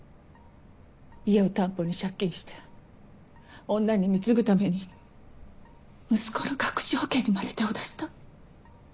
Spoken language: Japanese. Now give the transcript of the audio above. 家を担保に借金して女に貢ぐために息子の学資保険にまで手を出した。